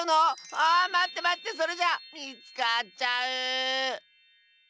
あまってまってそれじゃあみつかっちゃう！